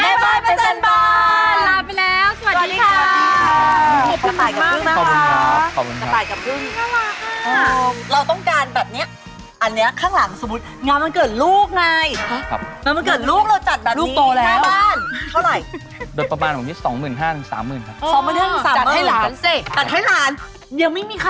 เอาง่าย